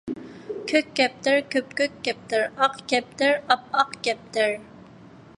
كۆك كەپتەر – كۆپكۆك كەپتەر، ئاق كەپتەر - ئاپئاق كەپتەر